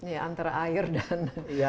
ya antara air dan